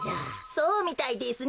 そうみたいですね。